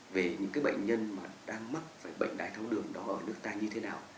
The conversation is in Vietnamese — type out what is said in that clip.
về những cái bệnh nhân mà đang mắc bệnh đai thấu đường đó ở nước ta như thế nào